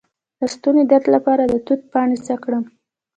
د ستوني درد لپاره د توت پاڼې څه کړم؟